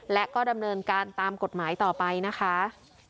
และก็ดำเนินการตามกฎหมายต่อไปนะคะ